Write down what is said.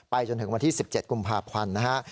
ไปจนถึงวันที่๑๗กุมภาพควันนะฮะ